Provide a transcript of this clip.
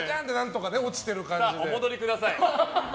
お戻りください。